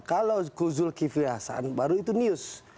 kalau kuzul kiviasan baru itu news